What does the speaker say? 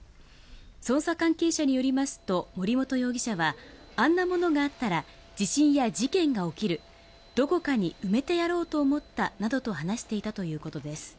捜査関係者によりますと森本容疑者はあんなものがあったら地震や事件が起きるどこかに埋めてやろうと思ったなどと話していたということです。